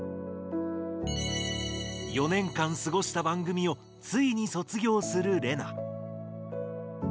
４年間過ごした番組をついに卒業するレナ。